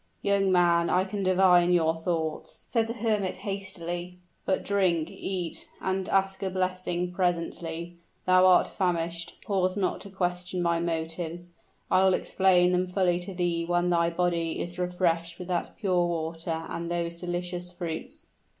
"Young man, I can divine your thoughts," said the hermit, hastily; "but drink, eat, and ask a blessing presently. Thou art famished, pause not to question my motives. I will explain them fully to thee when thy body is refreshed with that pure water and those delicious fruits."